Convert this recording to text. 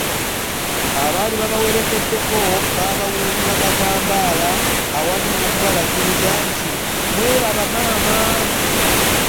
Abaali babawerekeddeko baabawuubira katambaala awamu n'okubalagiriza nti mweraba Maama